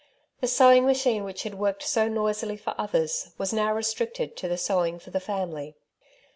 The sewing machine which had worked so noisily for others was now restricted to the sewing for the family.